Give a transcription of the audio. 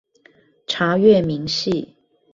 查閱明細